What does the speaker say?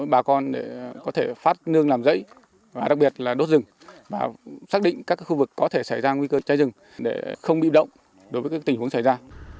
bà con có thể phát nương làm rẫy và đặc biệt là đốt rừng và xác định các khu vực có thể xảy ra nguy cơ cháy rừng để không bị động đối với các tình huống xảy ra